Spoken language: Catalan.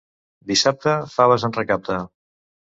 Dissabte, faves en recapte.